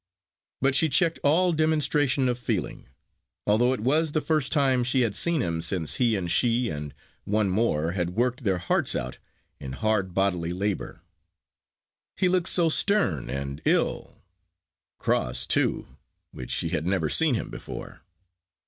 But she checked all demonstration of feeling; although it was the first time she had seen him since he and she and one more had worked their hearts out in hard bodily labour. He looked so stern and ill! Cross, too, which she had never seen him before.